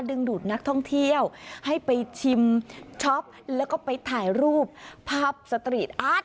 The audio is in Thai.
ดูดนักท่องเที่ยวให้ไปชิมช็อปแล้วก็ไปถ่ายรูปภาพสตรีทอาร์ต